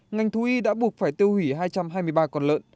ngành thú y đã buộc phải tiêu hủy hai trăm hai mươi ba con lợn